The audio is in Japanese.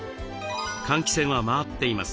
換気扇は回っています。